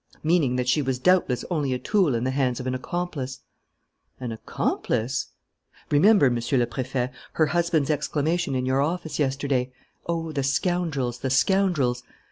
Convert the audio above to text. "Meaning that she was doubtless only a tool in the hands of an accomplice." "An accomplice?" "Remember, Monsieur le Préfet, her husband's exclamation in your office yesterday: 'Oh, the scoundrels! the scoundrels!'